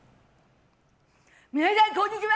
皆さん、こんにちは！